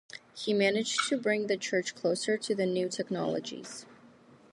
He managed to bring the Church closer to the new technologies.